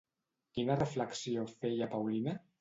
Quina reflexió feia Paulina?